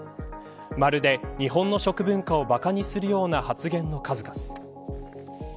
まるで日本の食文化をばかにするような発言の数々。